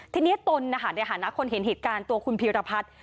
ทีนี้ตนในฐานะคนเห็นเหตุการณ์ตัวคุณพีรพัฒน์